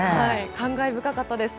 感慨深かったです。